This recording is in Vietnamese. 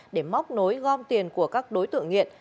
để móc nối gom tiền của các đối tượng nghiện